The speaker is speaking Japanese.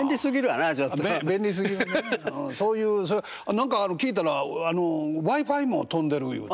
何か聞いたらＷｉ−Ｆｉも飛んでるいうて。